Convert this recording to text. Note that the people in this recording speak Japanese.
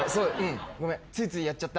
ごめんついついやっちゃった。